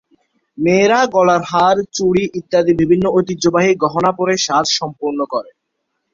মেয়েরা গলার হার, চুড়ি ইত্যাদি বিভিন্ন ঐতিহ্যবাহী গহনা পরে সাজ সম্পূর্ণ করে।